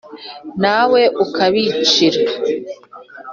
na we ukabicira.